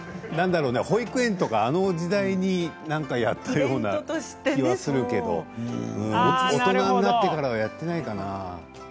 保育園とかあの時代にやった気がするけど大人になってからはやっていないかな。